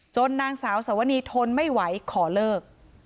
นางสาวสวนีทนไม่ไหวขอเลิก